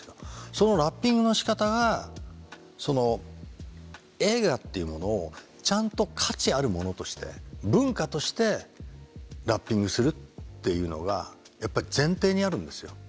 そのラッピングのしかたが映画っていうものをちゃんと価値あるものとして文化としてラッピングするっていうのがやっぱり前提にあるんですよ。